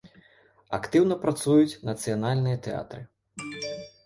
Актыўна працуюць нацыянальныя тэатры.